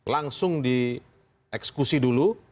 langsung dieksekusi dulu